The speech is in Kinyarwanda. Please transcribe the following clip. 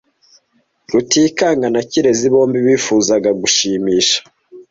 Rutikanga na Kirezi bombi bifuzaga gushimisha.